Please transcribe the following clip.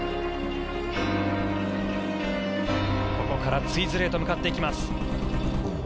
ここからツイズルへと向かっていきます。